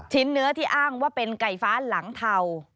เนื้อที่อ้างว่าเป็นไก่ฟ้าหลังเทา